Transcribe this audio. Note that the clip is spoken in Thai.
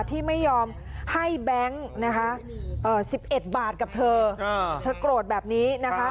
ที่ไม่ยอมให้แบงค์นะคะ๑๑บาทกับเธอเธอโกรธแบบนี้นะคะ